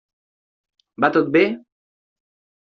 Va tot bé?